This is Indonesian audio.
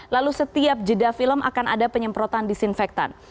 lalu setiap jeda film akan ada penyemprotan disinfektan